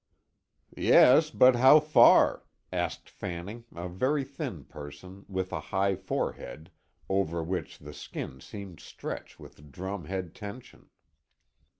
"Yes, but how far?" asked Fanning, a very thin person, with a high forehead, over which the skin seemed stretched with drum head tension.